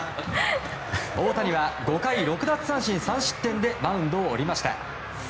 大谷は５回６奪三振３失点でマウンドを降りました。